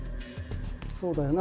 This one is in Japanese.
そうだよな？